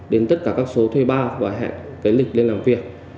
đến tất cả các số thuê bao và hẹn cái lịch lên làm việc